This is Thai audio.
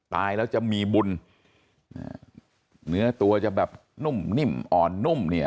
ตายแล้วจะมีบุญเนื้อตัวจะแบบนุ่มนิ่มอ่อนนุ่มเนี่ย